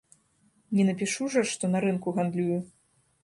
Не напішу жа, што на рынку гандлюю.